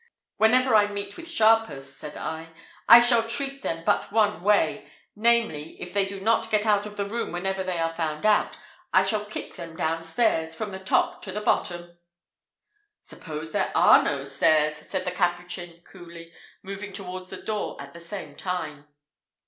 "Whenever I meet with sharpers," said I, "I shall treat them but one way namely, if they do not get out of the room whenever they are found out, I shall kick them down stairs, from the top to the bottom." "Suppose there are no stairs?" said the Capuchin, coolly, moving towards the door at the same time.